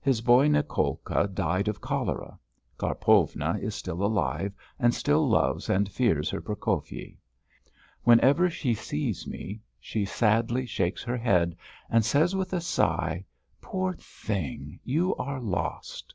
His boy Nicolka died of cholera. Karpovna is still alive, and still loves and fears her Prokofyi. Whenever she sees me she sadly shakes her head and says with a sigh: "Poor thing. You are lost!"